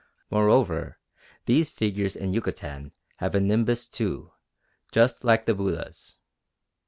Moreover these figures in Yucatan have a nimbus too, just like the Buddhas.